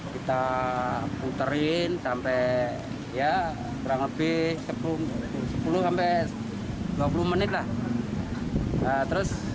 kita puterin sampai kurang lebih sepuluh sampai dua puluh menit